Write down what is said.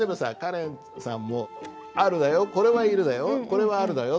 「これは『ある』だよ」